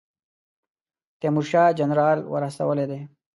تیمورشاه جنرال ور استولی دی.